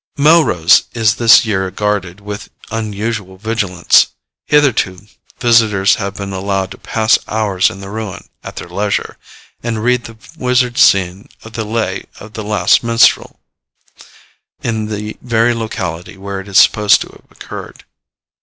Melrose is this year guarded with unusual vigilance. Hitherto visitors have been allowed to pass hours in the ruin, at their leisure, and read the wizard scene of the 'Lay of the Last Minstrel,' in the very locality where it is supposed to have occurred.